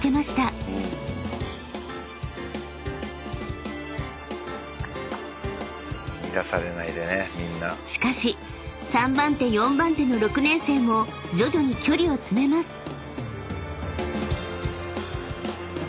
［しかし３番手４番手の６年生も徐々に距離を詰めます］